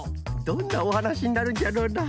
どんなおはなしになるんじゃろうな？